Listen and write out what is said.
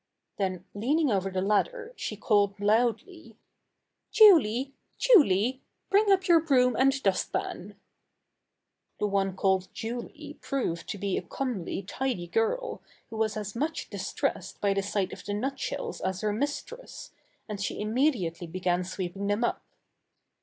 Then leaning over the ladder, she called loudly: "Julie! Julie, bring up your broom and dust pan." The one called Julie proved to be a comely, tidy girl, who was as much distressed by the sight of the nut shells as her mistress, and she immediately began sweeping them up.